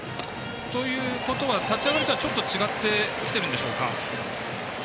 立ち上がりとはちょっと違ってきてるんでしょうか？